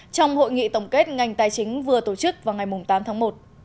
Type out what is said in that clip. trong hội nghị tổng kết ngành tài chính vừa tổ chức vào ngày tám tháng một